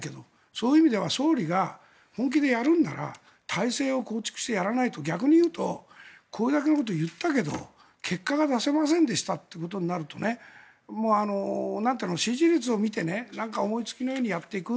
そういう意味では総理が本気でやるんなら体制を構築してやらないと逆にいうとこれだけのことを言ったけど結果が出せませんでしたっていうことになると支持率を見て思いつきのようにやっていく。